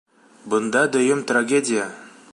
Бында дөйөм трагедия!